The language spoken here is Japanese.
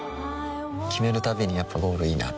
決めるたびにやっぱゴールいいなってふん